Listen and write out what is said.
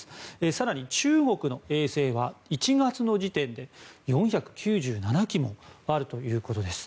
更に中国の衛星は１月の時点で４９７基もあるということです。